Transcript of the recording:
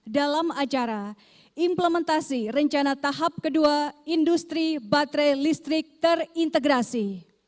dalam acara implementasi rencana tahap kedua industri baterai listrik terintegrasi